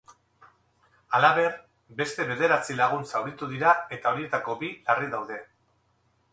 Halaber, beste bederatzi lagun zauritu dira eta horietako bi larri daude.